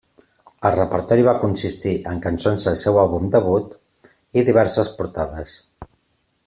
El repertori va consistir en cançons del seu àlbum debut i diverses portades.